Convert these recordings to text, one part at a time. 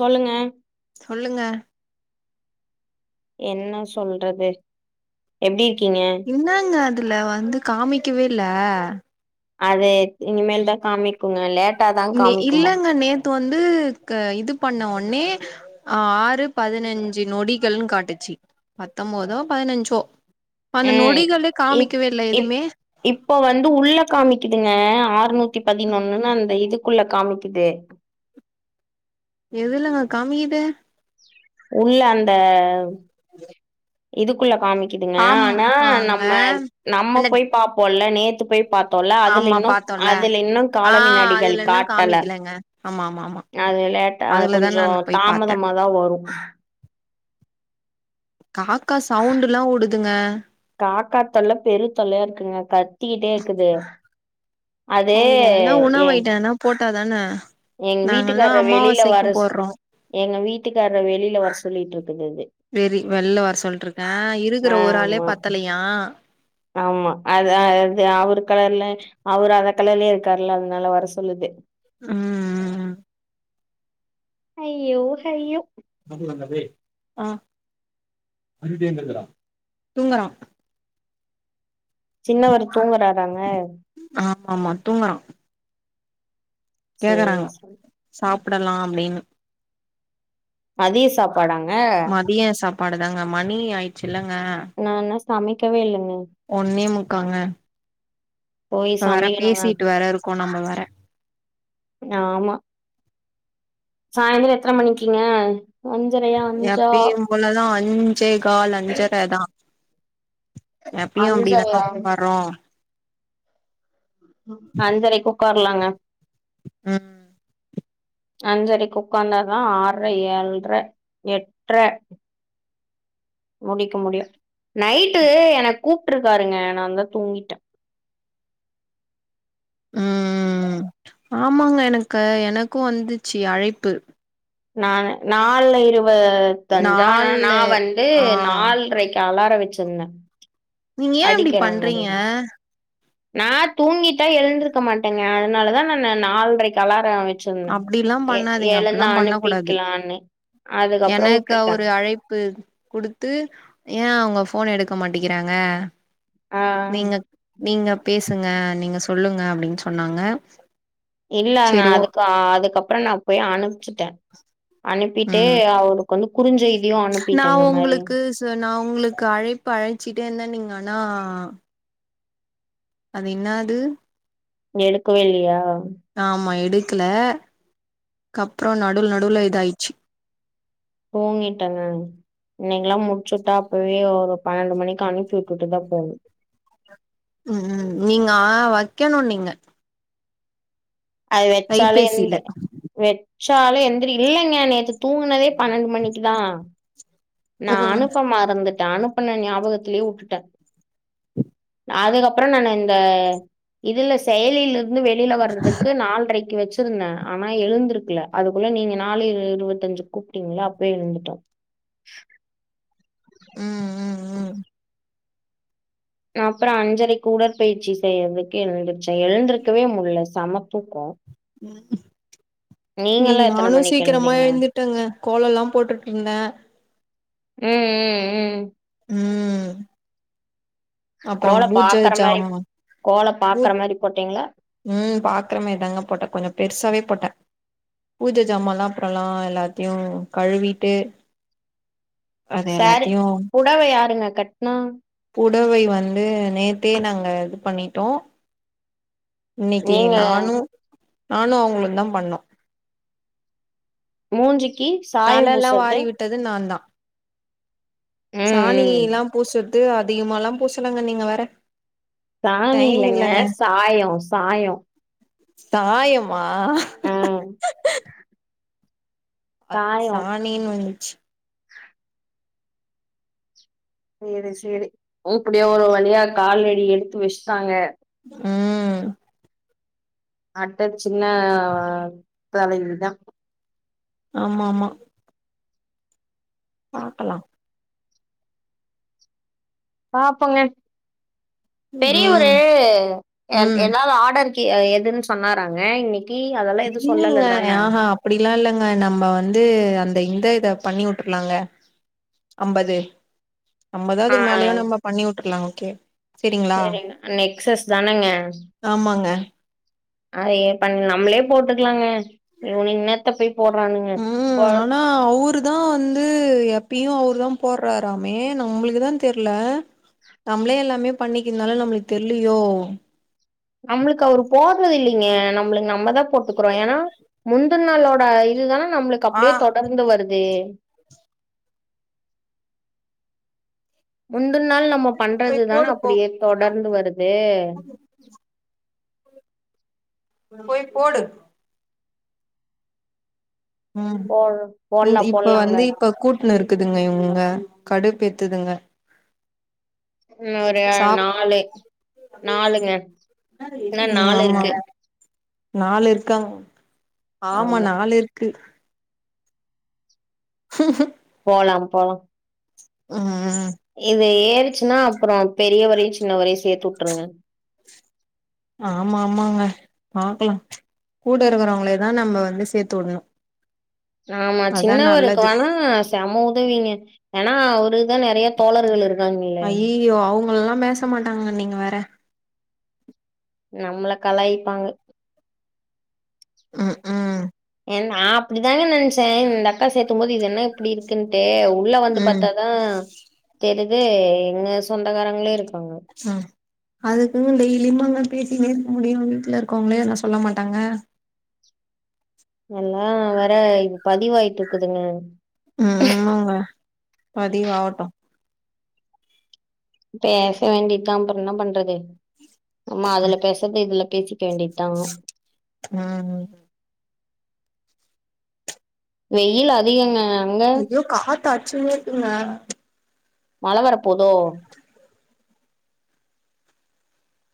சொல்லுங்க சொல்லுங்க என்ன சொல்றது எப்டி இருக்கீங்க இன்னாங்க அதுல வந்து காமிக்கவேல்ல அது இனிமேல் தான் காமிக்குங்க லேட் இல்லங்க நேத் வந்து க இது பண்ண உடனே ஆறு பதினஞ்சு நொடிகள்னு காட்டுச்சு பத்தொன்போதோ பதினஞ்சோ இப்ப அந்த நொடிகளே காமிக்கவே இல்லை எதுமே இப்ப வந்து உள்ள காமிக்குதுங்க ஆறநூத்தி பதினொன்னுன்னு அந்த இது க்குள்ள காமிக்குதே எதுலங்க காமிகுது உள்ள அந்த இதுக்குள்ள காமிக்குதுங்க ஆம் ஆனா ஆங்க நம்ம நம்ம அந்த போய் பாப்போம்ல்ல நேத்து போய் பாத்தோம்ல அதுல ஆமா இன்னு பாத்தோல்ல அதுல இன்னு ஆ கால வினாடிகள் அதுல இன்னு காட்டல காமிக்கலங்க ஆமா ஆமா ஆமா அதுலேட்டா அதுலதா கொஞ்சோ நான் போய் பாத்தே தாமதமாதா வரும் காக்கா சவுண்டுல்லாம் உடுதுங்க காக்காத்தொல்ல பெரி தொல்லையா இருக்குங்க கத்திக்கிட்டே இக்குது அது அதுக்கு எதனா உணவு ஏன் ஐட்டோ எதனா போட்டாதான எங்க நாங்கல்லா வீட்டுக்கார வெளியில வர அமாவாசைக்கு சொ போட்றோ எங்க வீட்டுக்கார வெளியில வர சொல்லிட்டு இருக் வெறி வெள்ள வர சொல்லிட்ருக்கா இருக்கிற ஒரு ஆளே ஆமா பத்தலையா ஆமா அது அது அவர் கலர்ல அவர் அது கலர்லயே இருக்காருல அதனால வர சொல்லுது ம் ம்ம் ஐயோ ஹயோ [unintelligible] ஆ [inaudible] தூங்கரான் சின்னவரு தூங்கறாராங்க ஆமா தூங்கரா சேரி கேக்குறாங்க சேரி சாப்பிடலாம் அப்டின்னு மதிய சாப்பாடாங்க ப்பாடு தாங்க மணி ஆயிச்சு இல்லங்க நா இன்னு சமைக்கவே இல்லங் ஒன்னே முக்காங்க போய் இப்ப வேர சமைக்கணுங்க பேசிட்டு வேர இருக்கோம் நம்ம வேர ஆமா சாய்ந்தரம் எத்தனை மணிக்கங்க அஞ்சரையா அஞ்சா எப்பயு போலதா அஞ்சே கால் அஞ்சரைதா எப்பயும் அப்டிதானே அஞ்சரையா உக்காறோ அஞ்சரைக்கு உக்காரலாங்க ம் அஞ்சரைக்கு உக்காந்தாதான் ஆர்ரே ஏல்ரே எட்ரே முடிக்க முடியு நைட்டு எனக்கு கூப்பிட்டு இருக்காருங்க நான்ந்தா தூங்கிட்டே [inaudible] உம் ஆமாங்க எனக்கு எனக்கு வந்துச்சு அழைப்பு நானு நால்இரு தஞ்சா நாலு நான் வந்து ஆ நாலரைக்கு அலார வச்சிருந்தே நீங்க ஏன் இப்டி பண்றீங்க அடிக்கிறமாரி நா தூங்கிட்டா எழுந்திருக்க மாட்டேங்க அதனாலதா நானு நால்ரைக்கு அலார வ ச்சொன்ன அப்டில்லா பண்ணாதீங்க அப்டில்லா எழுந்து பண்ண கூடாது அனுப்பிக்கலானு அதுக்கப்ற எனக்கு வுட்டுட்ட ஒரு அழைப்பு குடுத்து ஏ அவுங்க போன எடுக்க மாட்டிகிறாங்க ஆ நீங்கப் நீங்க பேசுங்க நீங்க சொல்லுங்க அப்டின் சொன்னாங்க இல்லங்க செரி ஓ அதுக்கு அதுக்கப்ற நா போய் அனுப்ச்சுட்ட அன் அனுப்பிட்டு ம் அவளுக்கு வந்து குறுஞ்செய் நா உங்ளுக்கு ச நா உங்ளுக்கு அழைப்பு அழைச்சிட்டேந்த நீங்க ஆனா அது என்னாது எடுக்கவேயில்லியா க்ல கப்புற நடுவுல நடுவுல இதாயிச்சு தூங்கிட்டங்க இன்னைக்லா முட்ச்சுட்டா அப்பவே ஒரு பனண்டு மணிக்கு அனுப்பி வுட்டுட்டுதா போனு உம் நீங்க ஆ வக்கணு நீங்க அது வெச்சாலேந் கைபேசில வெ ச்சாலு எந்திரி இல்லங்க நேத்து தூங்கனதே பனண்டு மணிக்குதா நா ம் அனுப்ப மறந்துட்ட அனுப்புன நியாபகத்லியே வுட்டுட்ட அதுக்கப்ற நானு இந்த இதுல செயலிலரு ந்து வெளில வரதுக்கு நால்ரைக்கு வச்சு வச்சிருந்த ஆனா எழுந்திருக்ல அதுக்குள்ள நீங்க நாலு இருவத்தஞ்சுக் கூப்ட்டீங்கள அப்பியே எழுந்துட்ட [inaudible] உம் உம் உம் அப்ற அஞ்சரைக் குடற்பயிற்சி செய்றதுக்கு எழுந்துருச்ச எழுந்திருக்வே முல்ல செமத்தூக்கோ உம் நீங்க எத்தன நானு மணிக்கு சீக்கிரமா எழுந்தீங்க எழுந்துட்டங்க கோலலா போட்டுட்ருந்தே உம் உம் உம் உம் அப்றம் கோல பூஜ பாக்குற மாரி ஜாம்மா கோல பாக்குற பூஜ் மாரி போட்டீங்களா உம் பாக்கறமே தாங்க போட்ட கொஞ்ச பெருசாவே போட்ட பூஜை ஜாமாலாம் அப்றலா எல்லாத்தையு கழுவிட்டு அது சேரு எல்லாத்தையு புடவ யாருங்க கட்னா புடவை வந்து நேத்தே நாங்க இது பண்ணிட்டோ நீங்க இன்னைக்கிட்ட நானு நானு அவுங்ளுந்தா பண்ணோ மூஞ்சிக்கு சாயம் தலல்லா பூசறது ம் ம் சாணிலா பூசறது அதிகமாலா பூசலங்க நீங்க வேற டைம் சாணியிலங்க இல்லங்க சாயோ சாயோ சாயமா அ அ சாயோ சாணினு வந்து சேரி சேரி ஊப்புடியா ஒரு வழியா காலடி எடுத்து வஸ்ட்டாங்க உம் அட்ட சின்ன தலைவிதா ஆமாமா பாக்கலா பாப்பொங்க பெரிய ஒரு ம் எ ம் ஏதாவது ஆர்டர் கி எதுன் சொன்னாராங்க இன்னைக் இல்லங்க ஆஹா அப்டிலா இல்லங்க நம்ம வந்து அந் இந்த இந்த இத பண்ணி வுட்ரலாங்க அம்பது ஆ அம்பதாவதுக்கு மேலியு நம்ம பண்ணி வுட்ரலா ஓகே செரிங்களா சரிங்க நெக்சஸ் தானேங்க ஆமாங்க அது பண்ண நம்மளே போட்டுக்கலாங்க இ இன்னத்த போய் போடுறானுங்க. போ ம் ஆனா அவரு தான் வந்து எ ப்பயும் அவரு தான் போட்றாராமே நம்மளுக்கு தான் தெர்ல நம்மளே எல்லாமே பண்ணிக்க இருந்தாலும் நம்மளுக்கு தெர்லையோ ங்ஙே நம்மளுக்கு நம்மதான் போட்டுக்கறோம் ஏன்னா முந்த நாளோட இதுதானா நம்மளுக்கு ஆ அப்டியே தொடர்ந்து வருது முந்தன்நாள் நம்ம போய் பண்றதுதான போடு போ அப்படியே தொடர்ந்து வருது போய் போடு உம் போ போடலாம் இப்ப போடலாங்க. வந்து இப்ப கூப் இருக்குதுங்க இவுனுங்க கடுப்பு ஏத்துதுங்க இன்னும் ஒரு சாப் உம் இன்னும் ஆமா இருக்கு. நாள் இருக்காங்க ஆமா நாள் இருக்கு ஹ போலாம் போலாம் உஹ்ம் ம் து ஏறிச்சுன்னா அப்புறம் பெரியவரையும் சின்ன வரையும் சேர்த்து வுட்ருங்க ஆமா ஆமாங்க பாக்கலாம் கூட இருக்கறவங்களே தான் நம்ம வந்து சேர்த்து வுடணும் ஆமா சின்னவருக்கு வேணா செம உதவீங்க ஏன்னா ஒரு தான் நிறைய தோழர்கள் இரு அய்யய்யோ அவங்களெல்லாம் பேச மாட்டாங்க நீங்க வேற நம்மள கலாயிப்பாங்க உஹ்ஹும் நான் அப்படி தாங்க நினைச்சேன் இந்த அக்கா சேத்துக்கும் போது இது என்ன இப்டி இருக்குன்ட்டு உள்ள வந்து ம் பத்தாதான் தெரிது எங்க சொந்தகாரங்களே இருக் ஆஹ அதுக்குங்க டெய்லிமாங்க பேசி நே இருக்க முடியும் வீட்டுல இருக்கோங்களே என்ன சொல்ல மாட்டாங்க எல்லாம் வேற இ பதிவாயிட்டு இருக்குதுங்க உம் மாங்க பதிவாட்டும் பேச வேண்டிதான் அப்புறம் என்ன பண்றது நம்ம அதுல பேசறது இதுல பேசி வேண்டித்தான் ம் வெயில் அதிகங்க அங்க ஐயோ காத்தச்சுனேருங்க மழை வரப் போதோ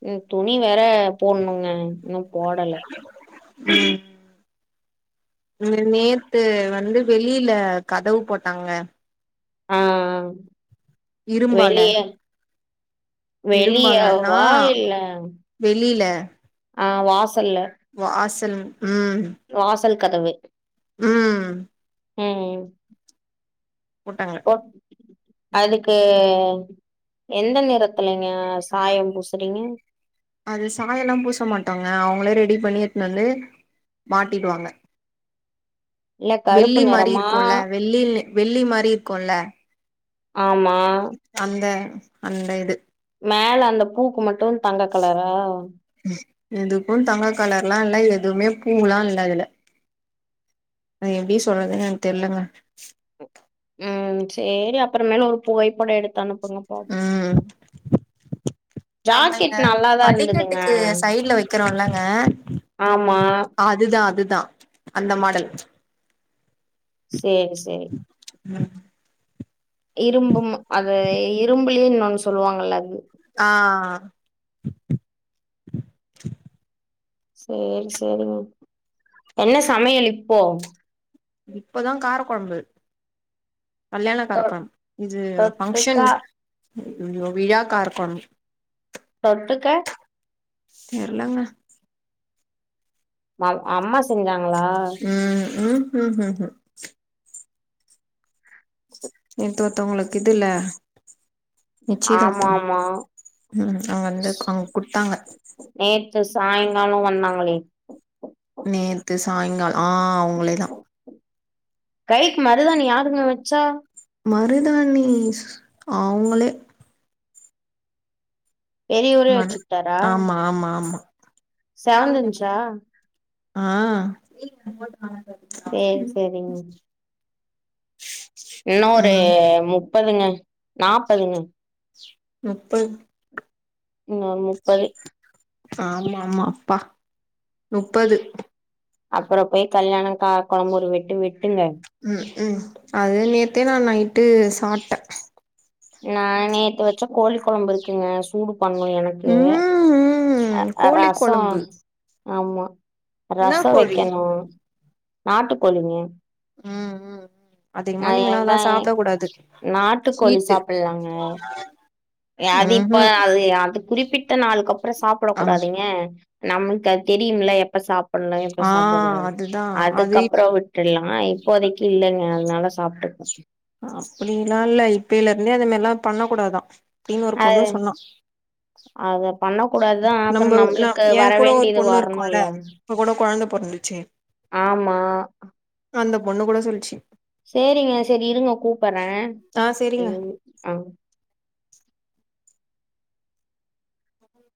உம் துணி வேற போடணுங்க இன்னும் போடல உம் இவுரு நேத்து வந்து வெளியில கதவு போட்டாங்க ஆஹ் அஹ் இரும்பால இரும்பாலன்னா வெளியவா இல்ல வெளியில ஆஹ் வாசல்ல வாசல் வாசல் கதவு உம் ஹுஹ்ம் போட்டாங்க அதுக்கு எந்த நிறத்துலங்க சாயம் பூசுறீங்க அது சாயம் எல்லாம் பூச மாட்டாங்க அவங்களே ரெடி பண்ணி எத்துனு வந்து மாட்டிடுவாங்க இல்ல கருப்பு வெள்ளி மாரி நிறமா இருக்குல்ல வெள்ளி வெள்ளி மாரி இருக்குல்ல ஆமா அந்த அந்த இது மேல அந்த பூக்கு மட்டு தங்க கலரா எதுக்கு தங்க கலர்ல்லா இல்ல எதுமே பூல்லா இல்ல அதுல அது எப்டி சொல்றதுன் எனக் தெர்லங்க ம் சேரி அப்பற மேல் ஒரு புகைப்படோ எடுத்தனுப்புங்க பா ம் நம்ம இங்க இருந்ததுங்க படிக்கட்டுக்கு சைட்ல வெக்கறோல்லங்க ஆமா அது தா அது தா அந்த மாடல் சேரி சேரி ம் இரும்பும் அது இரும்புலே இன்னோன் சொல்வாங்கல்ல அது ஆ சேரி சேரிங்க என்ன சமையல் இப்போ இப்பதா கார கொழம்பு கல்யாண கார தொ கொழம்பு இது ஃபங்க்ஷன் தொட்டுக்கா ஓ விழா கார கொழம்பு தொட்டுக்க தெர்லங்க ம அம்மா செஞ்சாங்களா ம் ம் ம் ம் ம் நேத் ஒருத்தவங்களுக்கு இதுல ஆமா நிச்சயதார்த்தம் ஆமா ம் அவுங்க வந்து அவுங் குடுத்தாங்க து சாய்ங்காலோ வந்தாங்களே நேத்து சாய்ங்கால் ஆ அவுங்களே தா கைக்கு மருதாணி யாருங்க வச்சா மருதாணி அவுங்களே பெரியவரே மரு வெச்சுட்டாரா ஆமா ஆமா ஆமா செவந்திர்ந்ச்சா ஆ சேரி சேரிங்க இன்னு ஒரு ம் முப்பதுங்க, நாப்பதுங்க முப்பத் இன்னோர் முப்பது ஆமா ஆமா அப்பா முப்பது அப்பறோ போய் கல்யாண கார கொழம்பு ஒரு வெட்டு வெட் ம்க்ம் அது நேத்தே நா நைட்டு சாப் நா நேத்து வெச்ச கோழி கொழம்பிருக்குங்க சூடு பண்ணு எனக்கு ம் அ ம் அ கோழி ரசோ கொழம்பு ஆமா என்னா ரசோ கோழி வெக்கனு நாட்டுக்கோழிங்க ம் ம் அதிகமா அது நீங்கல்லா அத்ல்லா ஏதா சாப்ட கூடாது ஈட்டு ல்லாங்க ய அது இப்ப ம்ஹும் அது ய அது குறிப்பிட்ட நாளுக்கப்றோ சாப்ட ஆ கூடாதுங்க நம்ளுக் அத் தெரியுமில்ல எப்ப சாப் பட்ணு எப்ப ஆ சாப்டக்கூடாது அதுதா அது அதுக்கப்றோ விட்டுர்லா இப்போதைக்கு இல்லங்க அத்னால சாப்ட்டுப்ப அ அப்டில்லா இல்ல இப்பைலருந்தே அந்த மேர்ல்லா பண்ணக்கூடாதா கூடாதான் அப்டினு ஒரு பொண்ணு அது சொன்னா அத பண்ண கூடாதுதா அப்புறோ நம்ப நா நம்மளுக்கு ஏ வர கூட ஒரு வேண்டியது பொண்ணு இருக்குல்ல வரணும்ல இப்ப கூட கொழந்த பொறந்துச்சு ஆமா அந்த பொண்ணு கூட சொல்ச்சு சேரிங்க சரி இருங்க கூப்பறே ஆ சேரிங்க